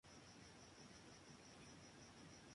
Fue miembro del Consejo de Guerra para Jefes y Oficiales.